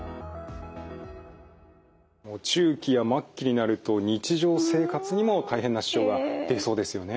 中期や末期になると日常生活にも大変な支障が出そうですよね。